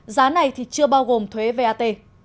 giá này chưa bao gồm thuế vat